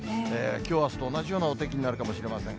きょう、あすと同じようなお天気になるかもしれません。